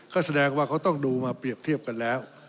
ก็แสดงว่าเขาต้องดูมาเปรียบเทียบกันแล้ว